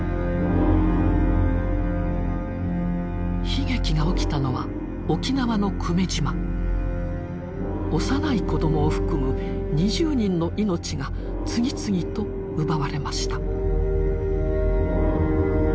悲劇が起きたのは幼い子どもを含む２０人の命が次々と奪われました。